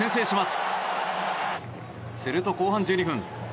すると、後半１２分。